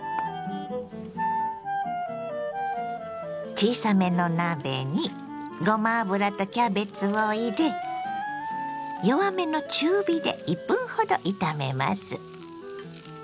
小さめの鍋にごま油とキャベツを入れ弱めの中火で１分ほど炒めます。